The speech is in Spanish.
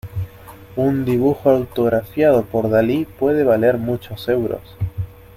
Un dibujo autografiado por Dalí puede valer muchos euros.